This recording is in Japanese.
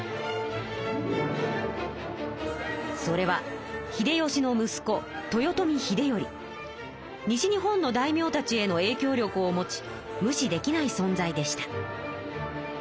それは秀吉のむす子西日本の大名たちへのえいきょう力を持ち無視できないそん在でした。